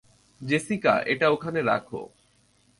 Jessica, এটা ওখানে রাখ।